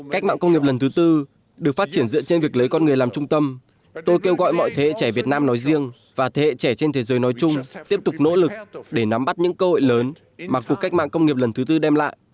cách mạng công nghiệp lần thứ tư được phát triển dựa trên việc lấy con người làm trung tâm tôi kêu gọi mọi thế hệ trẻ việt nam nói riêng và thế hệ trẻ trên thế giới nói chung tiếp tục nỗ lực để nắm bắt những cơ hội lớn mà cuộc cách mạng công nghiệp lần thứ tư đem lại